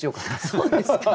そうですか？